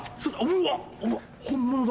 うわ本物だ！